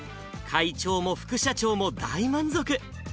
会長も副社長も大満足。